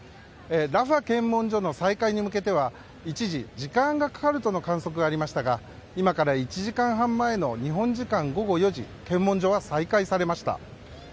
ラファ検問所の再開に向けては一時、時間がかかるとの観測がありましたが今から１時間半前の日本時間午後４時検問所は再開されました。